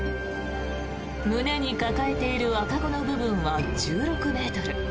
胸に抱えている赤子の部分は１６ｍ。